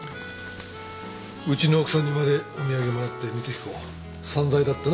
うちの奥さんにまでお土産もらって光彦散財だったな。